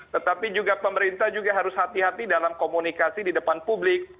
tetapi juga pemerintah juga harus hati hati dalam komunikasi di depan publik